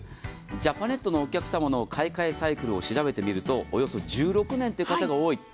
ジャパネットのお客様の買い替えサイクルを調べてみるとおよそ１６年という方が多い。